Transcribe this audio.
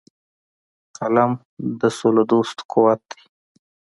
قلم د سولهدوستو قوت دی